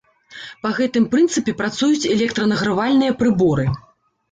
Па гэтым прынцыпе працуюць электранагравальныя прыборы.